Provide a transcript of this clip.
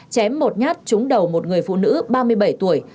chém một nhát trúng đầu một người phụ nữ ba mươi bảy tuổi